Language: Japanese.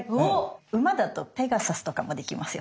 馬だとペガサスとかもできますよ。